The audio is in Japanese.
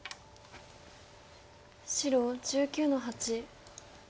白１９の八。